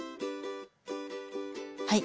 はい。